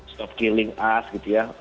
stop killing us gitu ya